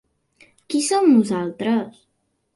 Qui som nosaltres?